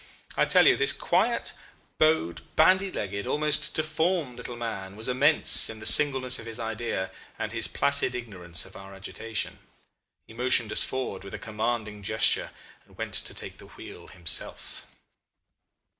I tell you this quiet, bowed, bandy legged, almost deformed little man was immense in the singleness of his idea and in his placid ignorance of our agitation. He motioned us forward with a commanding gesture, and went to take the wheel himself.